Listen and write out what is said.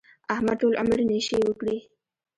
احمد ټول عمر نشې وکړې.